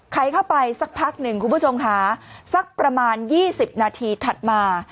เข้าไปสักพักหนึ่งคุณผู้ชมค่ะสักประมาณ๒๐นาทีถัดมา